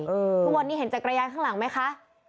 เมื่อไหร่ทุกวันนี้เห็นจักรยานข้างหลังไหมคะ